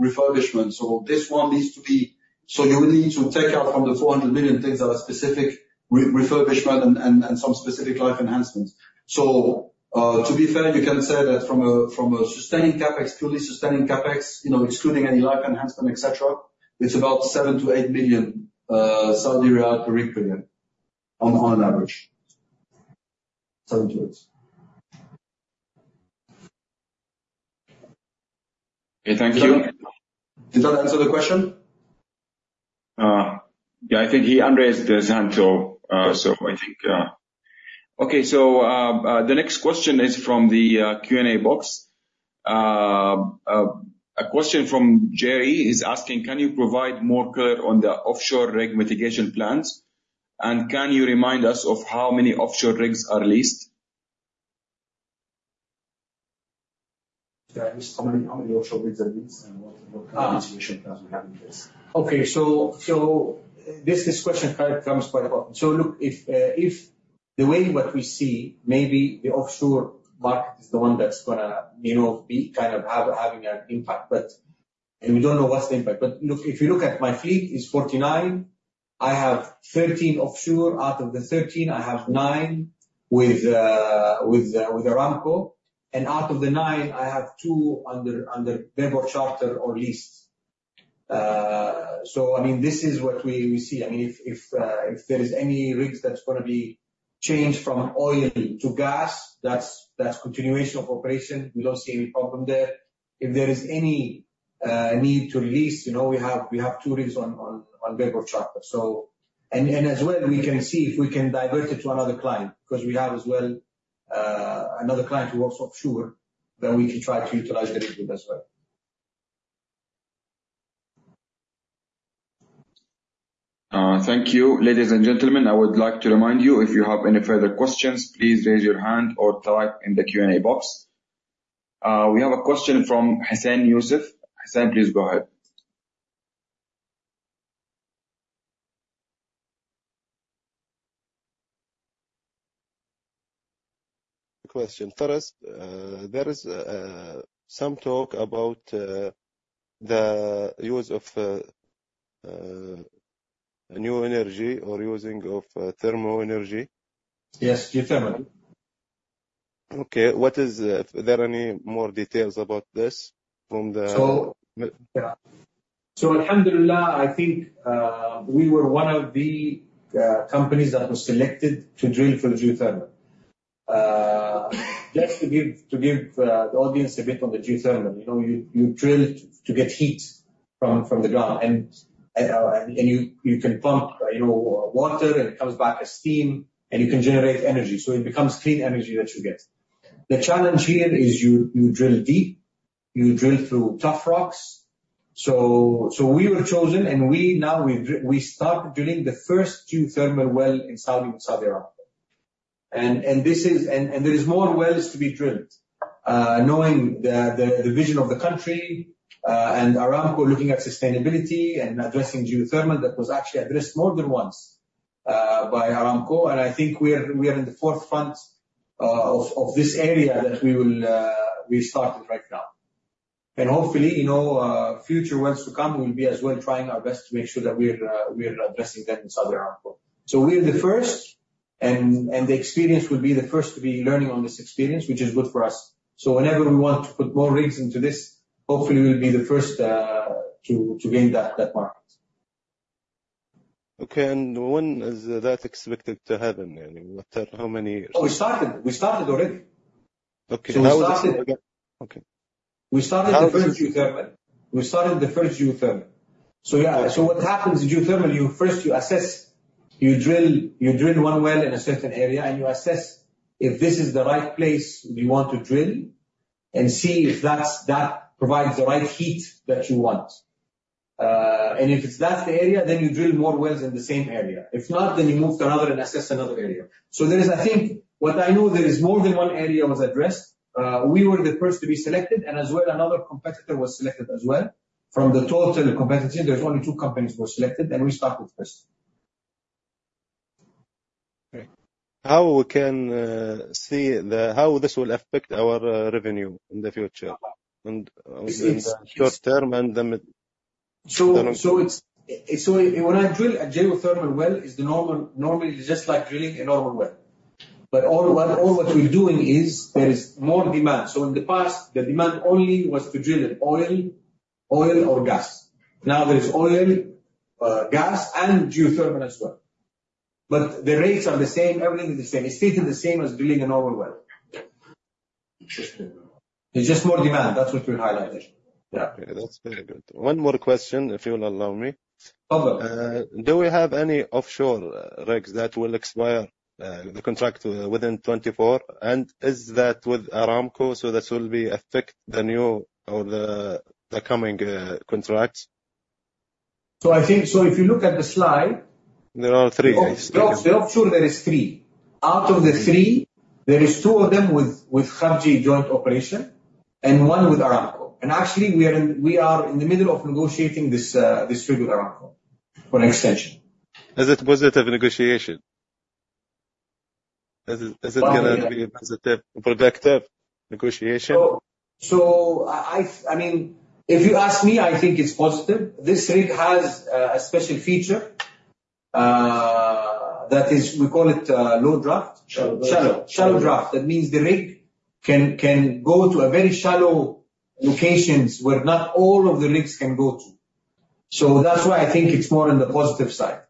refurbishment. So this one needs to be so you would need to take out from the 400 million things that are specific refurbishment and some specific life enhancements. So to be fair, you can say that from a sustaining CapEx, purely sustaining CapEx, excluding any life enhancement, etc., it's about 7 million-8 million Saudi riyal per rig per year on an average. seven-eight. Okay. Thank you. Did that answer the question? Yeah. I think he underestimates the answer, so I think okay. So the next question is from the Q&A box. A question from Jerry is asking, "Can you provide more color on the offshore rig mitigation plans, and can you remind us of how many offshore rigs are released?" Yeah. How many offshore rigs are released and what kind of mitigation plans we have in place? Okay. So this question comes quite often. So look, the way what we see, maybe the offshore market is the one that's going to be kind of having an impact, and we don't know what's the impact. But look, if you look at my fleet, it's 49. I have 13 offshore. Out of the 13, I have 9 with Aramco. And out of the 9, I have 2 under bareboat charter or leased. So I mean, this is what we see. I mean, if there is any rigs that's going to be changed from oil to gas, that's continuation of operation. We don't see any problem there. If there is any need to release, we have 2 rigs on bareboat charter. And as well, we can see if we can divert it to another client because we have as well another client who works offshore that we can try to utilize the rig with as well. Thank you. Ladies and gentlemen, I would like to remind you, if you have any further questions, please raise your hand or type in the Q&A box. We have a question from Hassan Youssef. Hassan, please go ahead. Question. First, there is some talk about the use of new energy or using of thermo energy. Yes. Geothermal. Okay. Is there any more details about this from the? So alhamdulillah, I think we were one of the companies that was selected to drill for geothermal, just to give the audience a bit on the geothermal. You drill to get heat from the ground, and you can pump water, and it comes back as steam, and you can generate energy. So it becomes clean energy that you get. The challenge here is you drill deep. You drill through tough rocks. So we were chosen, and now we start drilling the first geothermal well in Saudi Arabia. And there is more wells to be drilled, knowing the vision of the country and Aramco looking at sustainability and addressing geothermal that was actually addressed more than once by Aramco. And I think we are in the forefront of this area that we started right now. And hopefully, future wells to come, we'll be as well trying our best to make sure that we're addressing them in Saudi Arabia. So we're the first, and the experience will be the first to be learning on this experience, which is good for us. So whenever we want to put more rigs into this, hopefully, we'll be the first to gain that market. Okay. And when is that expected to happen? I mean, how many? Oh, we started. We started already. So we started. Okay. We started the first geothermal. We started the first geothermal. So yeah. So what happens in geothermal, first, you drill one well in a certain area, and you assess if this is the right place you want to drill and see if that provides the right heat that you want. And if it's that the area, then you drill more wells in the same area. If not, then you move to another and assess another area. So I think what I know, there is more than one area was addressed. We were the first to be selected, and as well, another competitor was selected as well. From the total competition, there's only two companies who were selected, and we started first. Okay. How can we see how this will affect our revenue in the future in the short term and the midterm? So when I drill a geothermal well, normally, it's just like drilling a normal well. But all what we're doing is there is more demand. So in the past, the demand only was to drill in oil or gas. Now there is oil, gas, and geothermal as well. But the rates are the same. Everything is the same. It's still the same as drilling a normal well. It's just more demand. That's what we highlighted. Yeah. Okay. That's very good. One more question, if you will allow me. Do we have any offshore rigs that will expire the contract within 2024? And is that with Aramco, so that will be affect the new or the coming contracts? So if you look at the slide. There are three. So offshore, there is three. Out of the three, there is two of them with Khafji Joint Operations and one with Aramco. Actually, we are in the middle of negotiating this rig with Aramco for an extension. Is it positive negotiation? Is it going to be a positive, productive negotiation? So I mean, if you ask me, I think it's positive. This rig has a special feature that is we call it low draft. Shallow draft. That means the rig can go to very shallow locations where not all of the rigs can go to. So that's why I think it's more on the positive side.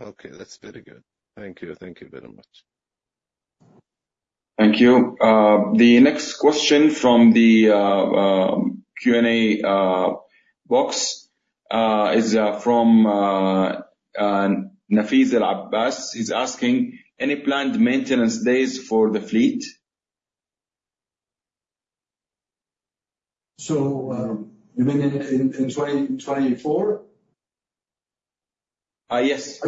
Okay. That's very good. Thank you. Thank you very much. Thank you. The next question from the Q&A box is from Nafez Al-Abbas. He's asking, "Any planned maintenance days for the fleet?" So you mean in 2024? Yes.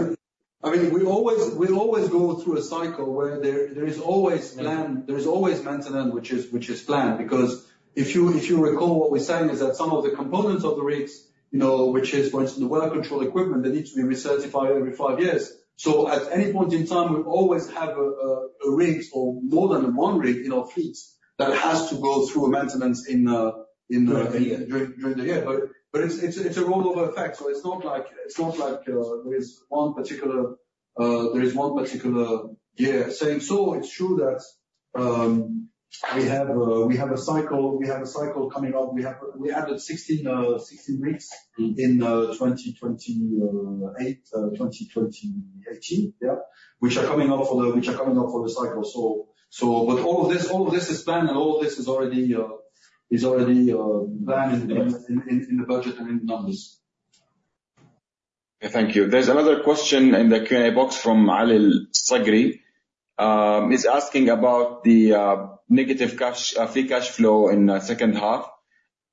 I mean, we always go through a cycle where there is always planned maintenance, which is planned because if you recall what we're saying is that some of the components of the rigs, which is, for instance, the well control equipment, that needs to be recertified every five years. So at any point in time, we always have a rig or more than one rig in our fleets that has to go through maintenance during the year. But it's a rollover effect. So it's not like there is one particular year saying so. It's true that we have a cycle coming up. We added 16 rigs in 2018, yeah, which are coming up for the cycle. But all of this is planned, and all of this is already planned in the budget and in the numbers. Okay. Thank you. There's another question in the Q&A box from Ali Al-Saghri. He's asking about the negative free cash flow in the second half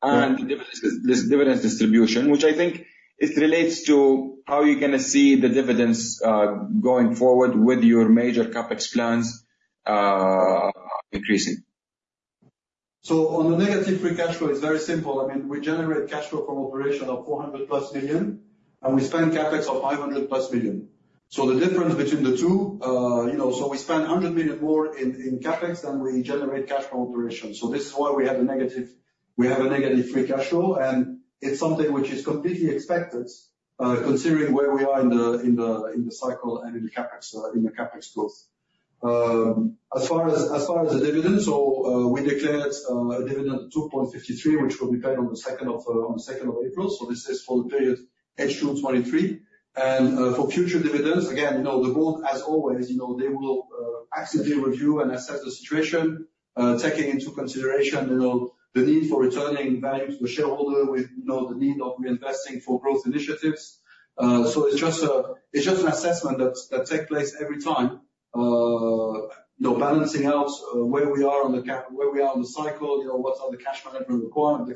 and the dividend distribution, which I think it relates to how you're going to see the dividends going forward with your major CapEx plans increasing. So on the negative free cash flow, it's very simple. I mean, we generate cash flow from operation of $400+ million, and we spend CapEx of $500+ million. So the difference between the two so we spend $100 million more in CapEx than we generate cash from operation. This is why we have a negative free cash flow, and it's something which is completely expected considering where we are in the cycle and in the CapEx growth. As far as the dividends, we declared a dividend of 2.53, which will be paid on the 2nd of April. This is for the period H2 2023. And for future dividends, again, the board, as always, they will actively review and assess the situation, taking into consideration the need for returning value to the shareholder with the need of reinvesting for growth initiatives. It's just an assessment that takes place every time, balancing out where we are on the cycle, what are the cash management requirements,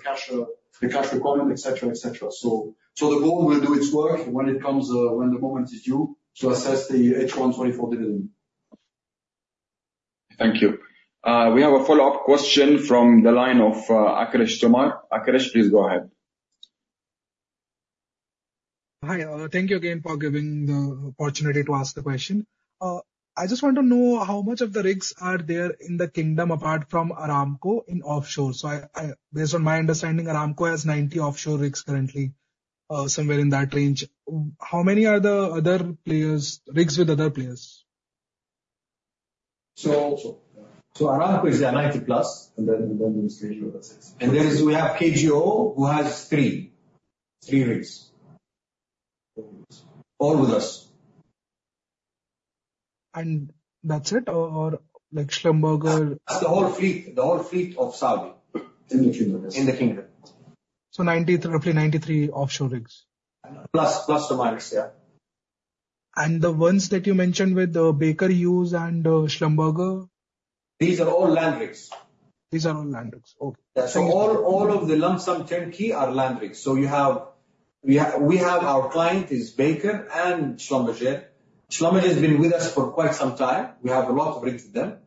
the cash requirement, etc., etc. So the board will do its work when it comes when the moment is due to assess the H1 2024 dividend. Thank you. We have a follow-up question from the line of Aakarsh Tomar. Aakarsh, please go ahead. Hi. Thank you again for giving the opportunity to ask the question. I just want to know how much of the rigs are there in the kingdom apart from Aramco in offshore? So based on my understanding, Aramco has 90 offshore rigs currently, somewhere in that range. How many are the other players rigs with other players? So Aramco is there 90-plus, and then we schedule that. And we have KJO, who has 3 rigs, all with us. And that's it? Or Schlumberger? The whole fleet of Saudi. In the kingdom, yes. In the kingdom. So roughly 93 offshore rigs. Plus to minus, yeah. And the ones that you mentioned with Baker Hughes and Schlumberger? These are all land rigs. These are all land rigs. Okay. So all of the lump sum turnkey are land rigs. So we have our client, is Baker and Schlumberger. Schlumberger has been with us for quite some time. We have a lot of rigs with them.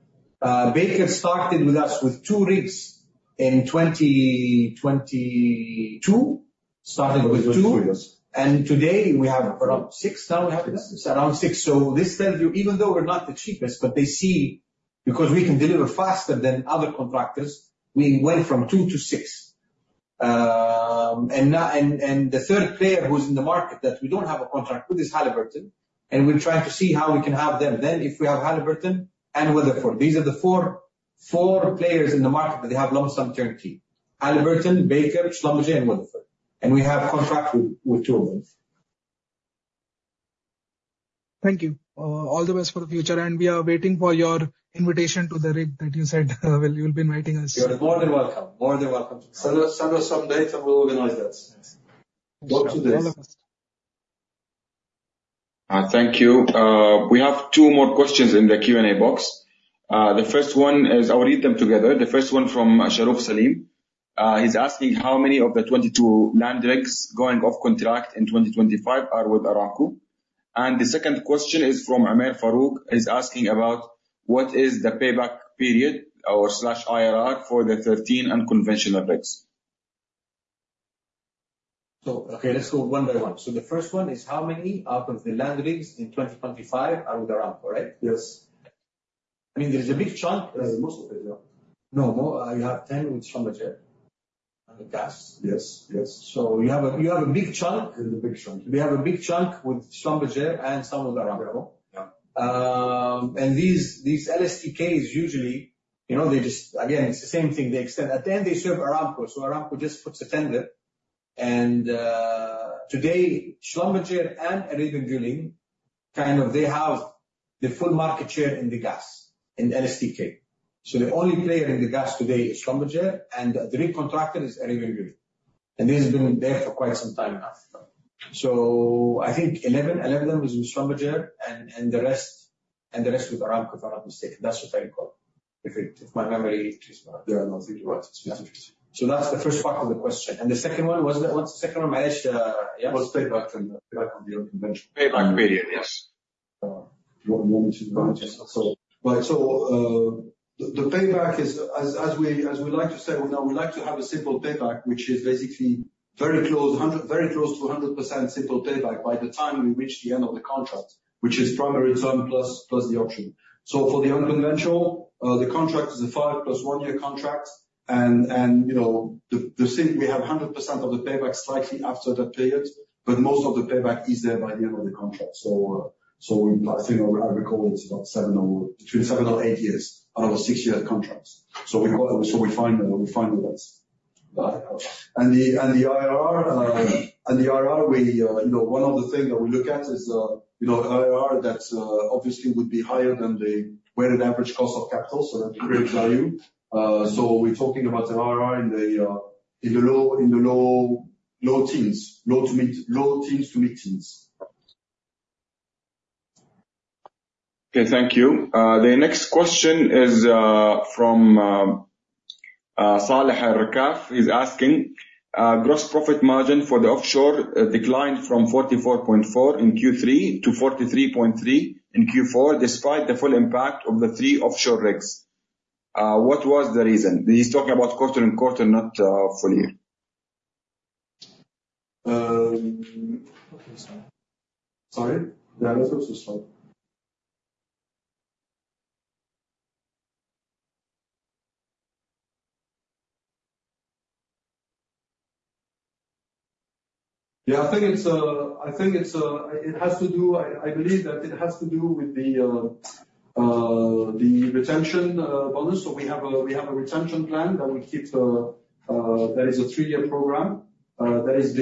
Baker started with us with 2 rigs in 2022, starting with 2. And today, we have around 6 now. We have around 6. So this tells you, even though we're not the cheapest, but they see because we can deliver faster than other contractors, we went from 2 to 6. And the third player who's in the market that we don't have a contract with is Halliburton, and we're trying to see how we can have them then if we have Halliburton and Weatherford. These are the four players in the market that they have lump sum turnkey: Halliburton, Baker, Schlumberger, and Weatherford. We have contract with two of them. Thank you. All the best for the future. We are waiting for your invitation to the rig that you said you'll be inviting us. You're more than welcome. More than welcome to the show. Send us some date, and we'll organize that. Not today. All of us. Thank you. We have two more questions in the Q&A box. I'll read them together. The first one from Shorouq Salim. He's asking, "How many of the 22 land rigs going off contract in 2025 are with Aramco?" And the second question is from Umer Farooq. He's asking about, "What is the payback period/IRR for the 13 unconventional rigs?" Okay. Let's go one by one. So the first one is, "How many out of the land rigs in 2025 are with Aramco?" Right? Yes. I mean, there is a big chunk. Most of it, yeah. No. You have 10 with Schlumberger and gas. So you have a big chunk. The big chunk. We have a big chunk with Schlumberger and some with Aramco. And these LSTKs, usually, they just again, it's the same thing. At the end, they serve Aramco. So Aramco just puts a tender. And today, Schlumberger and Arabian Drilling, kind of, they have the full market share in the gas, in LSTK. So the only player in the gas today is Schlumberger, and the rig contractor is Arabian Drilling. And this has been there for quite some time now. So I think 11 of them is with Schlumberger, and the rest with Aramco, if I'm not mistaken. That's what I recall, if my memory is right. Yeah. No, thank you. It's interesting. So that's the first part of the question. And the second one, what's the second one? Yeah? Well, it's payback on the unconventional. Payback period, yes. One more question. One more question. Right. So the payback is, as we like to say now, we like to have a simple payback, which is basically very close to 100% simple payback by the time we reach the end of the contract, which is primary term plus the option. So for the unconventional, the contract is a 5+1-year contract. And we have 100% of the payback slightly after that period, but most of the payback is there by the end of the contract. So I think I recall it's about between 7 or 8 years out of a 6-year contract. So we find that. The IRR, one of the things that we look at is IRR that obviously would be higher than the weighted average cost of capital, so that creates value. So we're talking about the IRR in the low teens, low- to mid-low teens to mid-teens. Okay. Thank you. The next question is from Saleh Al-Rakaf. He's asking, "Gross profit margin for the offshore declined from 44.4% in Q3 to 43.3% in Q4 despite the full impact of the 3 offshore rigs. What was the reason?" He's talking about quarter and quarter, not full year. Sorry. Yeah. Let's go to the slide. Yeah. I think it has to do with the retention bonus. I believe that it has to do with the retention bonus. So we have a retention plan that we keep that is a 3-year program that has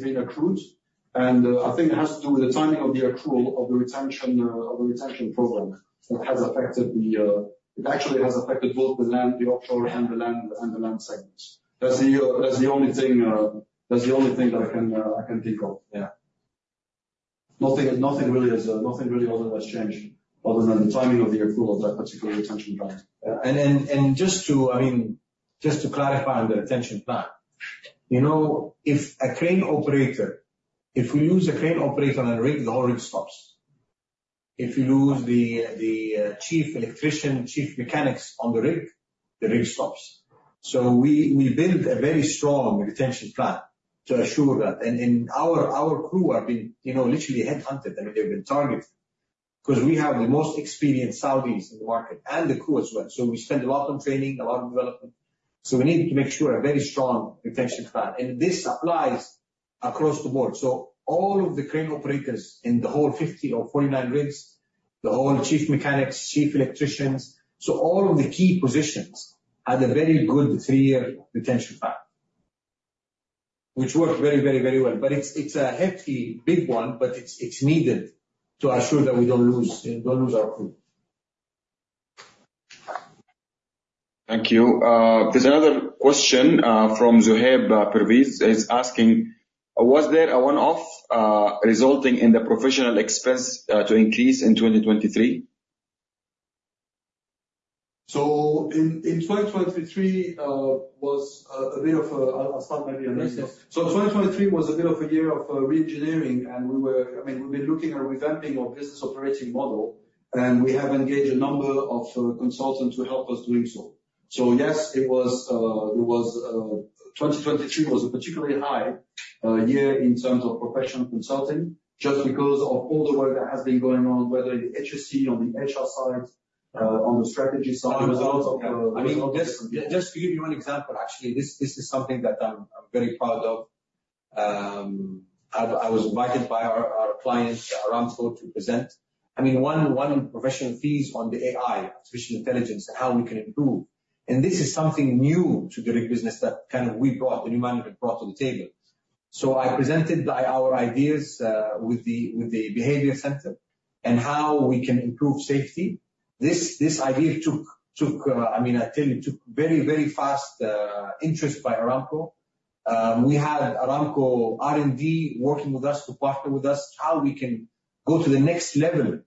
been accrued. And I think it has to do with the timing of the accrual of the retention program that has affected it actually has affected both the offshore and the land segments. That's the only thing that's the only thing that I can think of. Yeah. Nothing really has changed other than the timing of the accrual of that particular retention plan. And just to, I mean, just to clarify on the retention plan, if we lose a crane operator on a rig, the whole rig stops. If you lose the chief electrician, chief mechanics on the rig, the rig stops. So we build a very strong retention plan to assure that. And our crew have been literally headhunted. I mean, they've been targeted because we have the most experienced Saudis in the market and the crew as well. So we spend a lot on training, a lot on development. So we need to make sure a very strong retention plan. And this applies across the board. So all of the crane operators in the whole 50 or 49 rigs, the whole chief mechanics, chief electricians, so all of the key positions had a very good three-year retention plan, which worked very, very, very well. But it's a hefty, big one, but it's needed to assure that we don't lose our crew. Thank you. There's another question from Zohaib Perwaiz. He's asking, "Was there a one-off resulting in the professional expense to increase in 2023?" So in 2023 was a bit of a I'll start maybe on this. So 2023 was a bit of a year of reengineering, and I mean, we've been looking at revamping our business operating model, and we have engaged a number of consultants to help us doing so. So yes, it was a particularly high year in terms of professional consulting just because of all the work that has been going on, whether in the HSE, on the HR side, on the strategy side. There was a lot of I mean, just to give you an example, actually, this is something that I'm very proud of. I was invited by our client, Aramco, to present. I mean, on professional fees on the AI, artificial intelligence, and how we can improve. And this is something new to the rig business that kind of the new management brought to the table. So I presented our ideas with the behavior center and how we can improve safety. This idea took, I mean, I'll tell you, took very, very fast interest by Aramco. We had Aramco R&D working with us to partner with us how we can go to the next level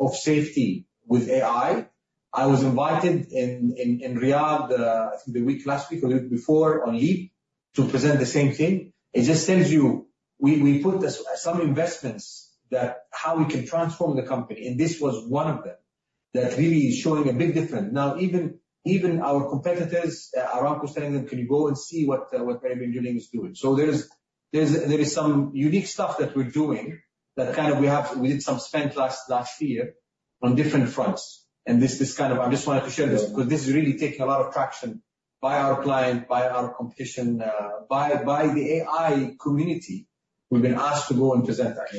of safety with AI. I was invited in Riyadh, I think the week last week or the week before on LEAP to present the same thing. It just tells you we put some investments that how we can transform the company. And this was one of them that really is showing a big difference. Now, even our competitors, Aramco is telling them, "Can you go and see what Arabian Drilling is doing?" So there is some unique stuff that we're doing that kind of we did some spend last year on different fronts. This kind of I just wanted to share this because this is really taking a lot of traction by our client, by our competition, by the AI community. We've been asked to go and present that.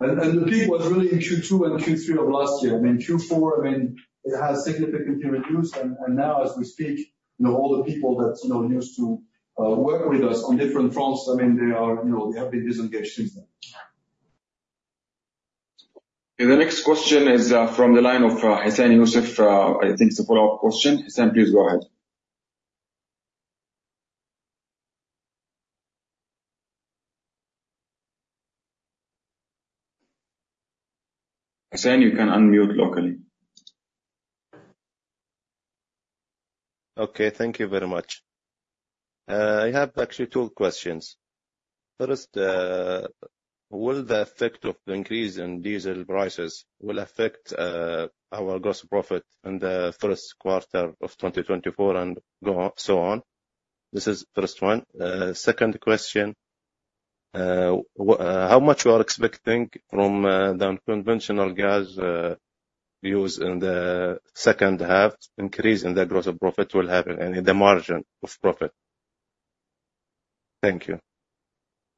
The peak was really in Q2 and Q3 of last year. I mean, Q4, I mean, it has significantly reduced. Now, as we speak, all the people that used to work with us on different fronts, I mean, they have been disengaged since then. Okay. The next question is from the line of Hassan Youssef. I think it's a follow-up question. Hassan, please go ahead. Hassan, you can unmute locally. Okay. Thank you very much. I have actually two questions. First, will the effect of the increase in diesel prices affect our gross profit in the first quarter of 2024 and so on? This is the first one. Second question, how much you are expecting from the unconventional gas units in the second half? Increase in the gross profit will happen in the margin of profit? Thank you.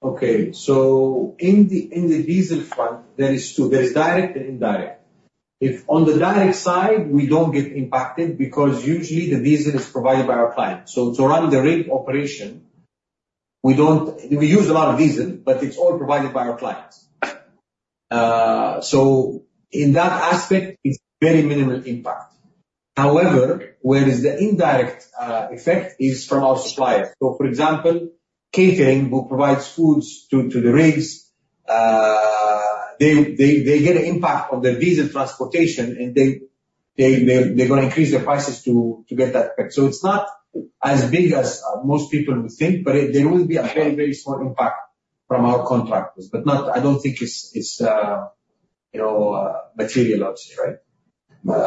Okay. So in the diesel front, there is two. There is direct and indirect. On the direct side, we don't get impacted because, usually, the diesel is provided by our client. So to run the rig operation, we use a lot of diesel, but it's all provided by our clients. So in that aspect, it's very minimal impact. However, whereas the indirect effect is from our supplier. So, for example, catering, who provides foods to the rigs, they get an impact on their diesel transportation, and they're going to increase their prices to get that effect. So it's not as big as most people would think, but there will be a very, very small impact from our contractors. But I don't think it's material outsourcing, right? Not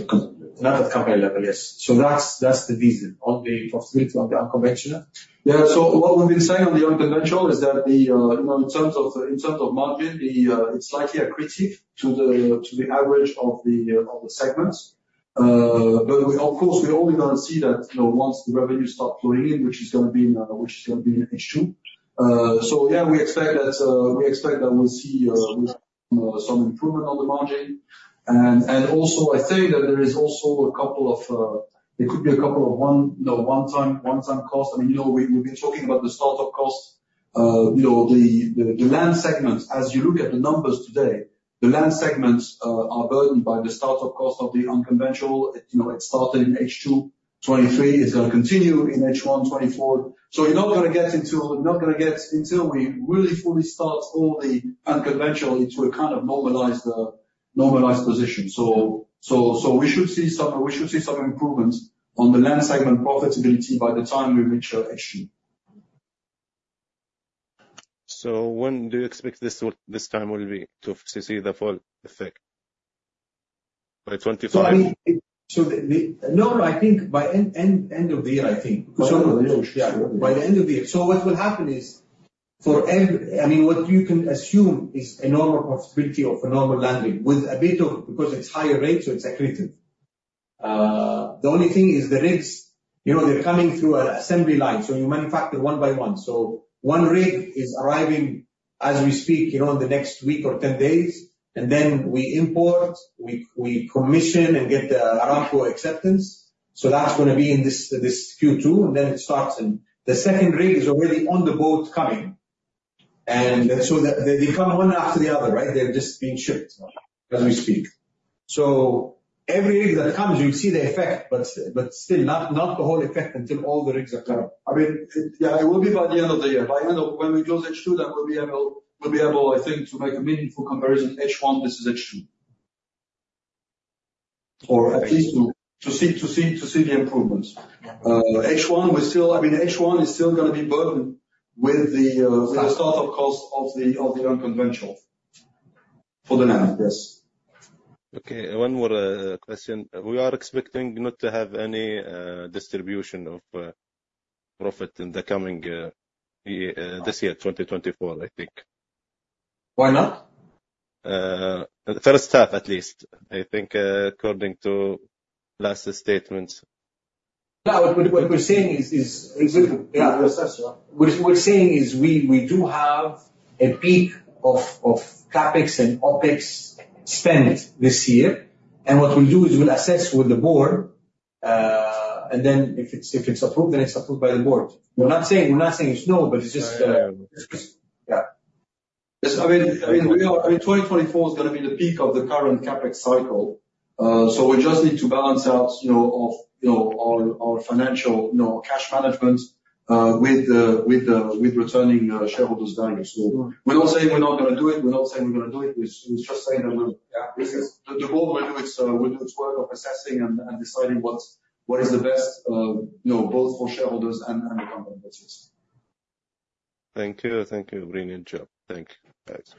at company level. Not at company level, yes. So that's the diesel. On the possibility of the unconventional? Yeah. So what we've been saying on the unconventional is that in terms of margin, it's slightly accretive to the average of the segments. But, of course, we're only going to see that once the revenue starts flowing in, which is going to be in H2 2023. So yeah, we expect that we'll see some improvement on the margin. And also, I think that there could be a couple of one-time costs. I mean, we've been talking about the startup cost. The land segment, as you look at the numbers today, the land segments are burdened by the startup cost of the unconventional. It started in H2 2023. It's going to continue in H1 2024. So you're not going to get into you're not going to get until we really fully start all the unconventional into a kind of normalized position. So we should see some we should see some improvements on the land segment profitability by the time we reach H2. So when do you expect this time will be to see the full effect? By 2025? So no, no. I think by end of the year, I think. By the end of the year. By the end of the year. So what will happen is, I mean, what you can assume is a normal profitability of a normal land rig with a bit of because it's higher rate, so it's accretive. The only thing is the rigs, they're coming through an assembly line. So you manufacture one by one. So one rig is arriving, as we speak, in the next week or 10 days. And then we import. We commission and get the Aramco acceptance. So that's going to be in this Q2, and then it starts. And the second rig is already on the boat coming. And so they come one after the other, right? They're just being shipped as we speak. So every rig that comes, you'll see the effect, but still, not the whole effect until all the rigs are done. I mean, yeah, it will be by the end of the year. By the end of when we close H2, then we'll be able I think to make a meaningful comparison, H1 versus H2, or at least to see the improvements. H1, I mean, H1 is still going to be burdened with the startup cost of the unconventional for the land, yes. Okay. One more question. We are expecting not to have any distribution of profit in the coming this year, 2024, I think. Why not? First half, at least, I think, according to last statements. Yeah. What we're saying is yeah, we assess, right? What we're saying is we do have a peak of CapEx and OpEx spend this year. What we'll do is we'll assess with the board. Then if it's approved, then it's approved by the board. We're not saying it's no, but it's just yeah. I mean, 2024 is going to be the peak of the current CapEx cycle. We just need to balance out our financial cash management with returning shareholders' value. We're not saying we're not going to do it. We're not saying we're going to do it. We're just saying that the board will do its work of assessing and deciding what is the best, both for shareholders and the company, that's it. Thank you. Thank you. Brilliant job. Thank you. Thanks.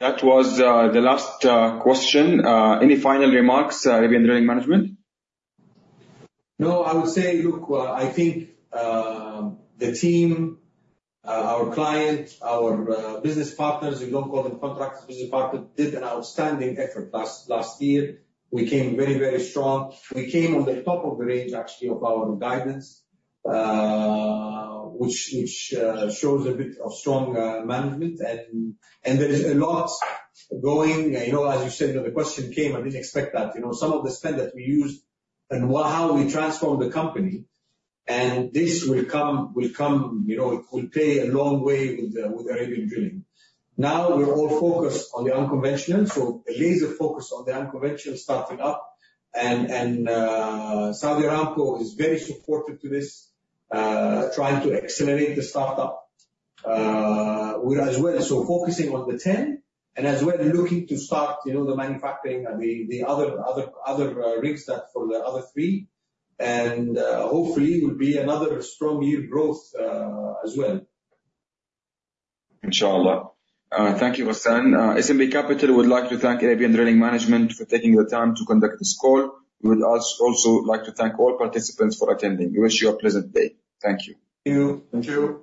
That was the last question. Any final remarks, Arabian Drilling Management? No. I would say, look, I think the team, our client, our business partners - you don't call them contractors, business partners - did an outstanding effort last year. We came very, very strong. We came on the top of the range, actually, of our guidance, which shows a bit of strong management. And there is a lot going. As you said, the question came. I didn't expect that. Some of the spend that we used and how we transformed the company. And this will come. It will pay a long way with Arabian Drilling. Now, we're all focused on the unconventional. So, a laser focus on the unconventional starting up. And Saudi Aramco is very supportive to this, trying to accelerate the startup as well. So, focusing on the 10 and as well looking to start the manufacturing, the other rigs for the other three. And hopefully, it will be another strong year growth as well. Insha'Allah. Thank you, Hassan. SNB Capital would like to thank Arabian Drilling Management for taking the time to conduct this call. We would also like to thank all participants for attending. We wish you a pleasant day. Thank you. Thank you.